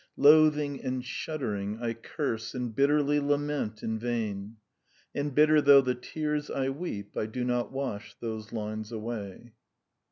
Loathing and shuddering I curse And bitterly lament in vain, And bitter though the tears I weep I do not wash those lines away."